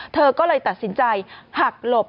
เธอก็เลยตัดสินใจหักหลบ